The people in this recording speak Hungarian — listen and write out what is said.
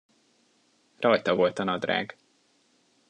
Rajta volt a nadrág.